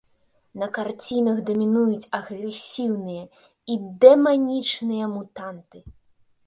На карцінах дамінуюць агрэсіўныя і дэманічныя мутанты.